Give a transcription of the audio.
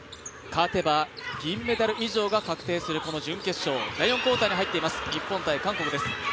勝てば銀メダル以上が確定するこの準決勝、第４クオーターに入っています日本×韓国です。